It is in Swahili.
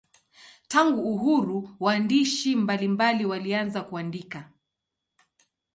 Tangu uhuru waandishi mbalimbali walianza kuandika.